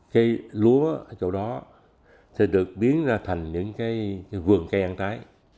cái lúa ở chỗ đó sẽ được biến ra thành những cái vườn cây ăn trái